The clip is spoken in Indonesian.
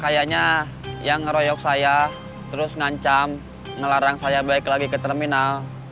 kayaknya yang ngeroyok saya terus ngancam ngelarang saya balik lagi ke terminal